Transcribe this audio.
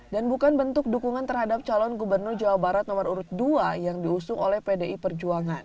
dan bukan bentuk dukungan terhadap calon gubernur jawa barat nomor urut dua yang diusung oleh pdi perjuangan